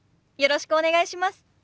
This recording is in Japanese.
よろしくお願いします。